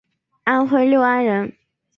安徽六安人。